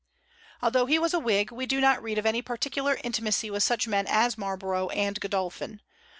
Although he was a Whig, we do not read of any particular intimacy with such men as Marlborough and Godolphin.